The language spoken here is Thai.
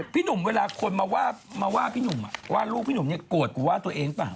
พี่หนุ่มเวลาคนว่าเรื่องรูปสวัสดีอ่ะกวดคุณว่าเองปั้ง